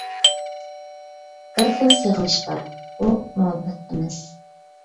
بىر خىل سېغىنىش بار، ئۇ مۇھەببەت ئەمەس.